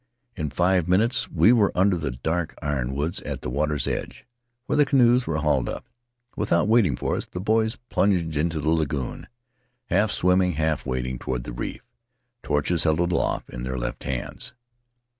In five minutes we were under the dark ironwoods at the water's edge, where the canoes are hauled up; without waiting for us, the boys plunged into the lagoon — half swimming, half wading toward the reef — torches held aloft in their left hands.